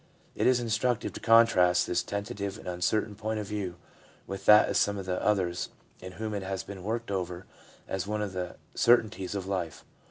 It is instructive to contrast this tentative and uncertain point of view with that of some of the others in whom it has been worked over as one of the certainties of life.